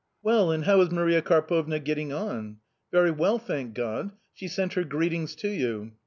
" Well, and how is Maria Karpovna getting on ?"" Very well, thank God ; she sent her greetings to you."